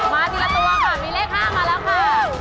มาทีละตัวค่ะมีเลข๕มาแล้วค่ะ